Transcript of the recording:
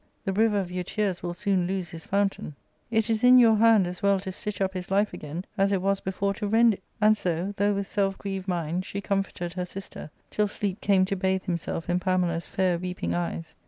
The river of your tears will soon lose his fountain. It is in your hand as well to stitch up his life again as it was before to rend it.'* And so, though with self grieved mind, she comforted her sister, till sleep came to bathe himself in Pamela's fair weeping eyes.